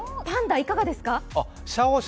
パンダいかがですか？